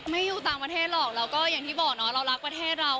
ไม่อยู่ต่างประเทศหรอกแล้วก็อย่างที่บอกเนาะเรารักประเทศเรา